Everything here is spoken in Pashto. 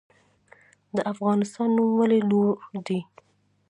د افغانستان نوم ولې لوړ دی؟